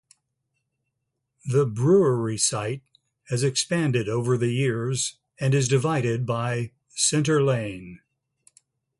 The brewery site has expanded over the years and is divided by Centre Lane.